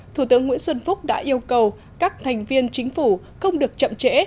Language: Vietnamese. thủ tướng nguyễn xuân phúc đã yêu cầu các thành viên chính phủ không được chậm trễ